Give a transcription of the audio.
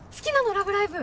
「ラブライブ！」